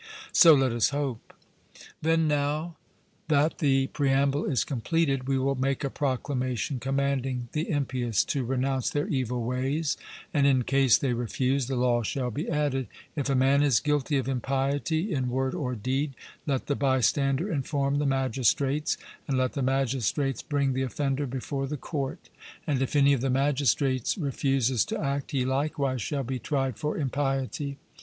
'So let us hope.' Then now that the preamble is completed, we will make a proclamation commanding the impious to renounce their evil ways; and in case they refuse, the law shall be added: If a man is guilty of impiety in word or deed, let the bystander inform the magistrates, and let the magistrates bring the offender before the court; and if any of the magistrates refuses to act, he likewise shall be tried for impiety.